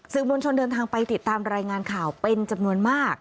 มวลชนเดินทางไปติดตามรายงานข่าวเป็นจำนวนมาก